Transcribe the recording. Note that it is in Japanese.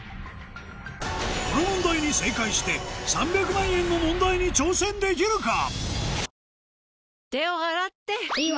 この問題に正解して３００万円の問題に挑戦できるか？